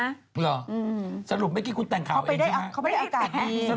หรือสรุปเมื่อกี้คุณแต่งข่าวเองใช่ไหม